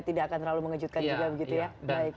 tidak akan terlalu mengejutkan juga